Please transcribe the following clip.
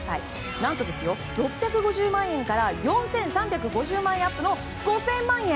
何と、６５０万円から４３５０万円アップの５０００万円！